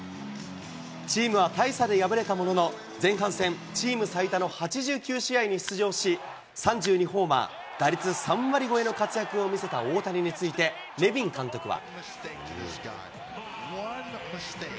チームは大差で敗れたものの、前半戦チーム最多の８９試合に出場し、３２ホーマー、打率３割超えの活躍を見せた大谷について、ネビン監督は。